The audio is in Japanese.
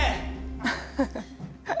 ハハハハ。